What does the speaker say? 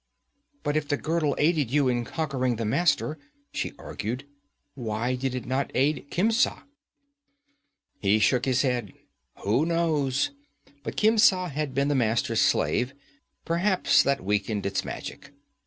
'But if the girdle aided you in conquering the Master,' she argued, 'why did it not aid Khemsa?' He shook his head. 'Who knows? But Khemsa had been the Master's slave; perhaps that weakened its magic.